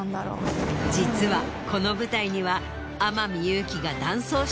実はこの舞台には。